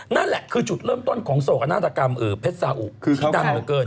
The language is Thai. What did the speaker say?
นั่นแหละคือจุดเริ่มต้นของโศกนาฏกรรมเพชรสาอุที่ดังเหลือเกิน